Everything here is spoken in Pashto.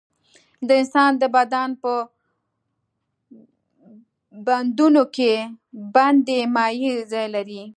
د انسان د بدن په بندونو کې بندي مایع ځای لري.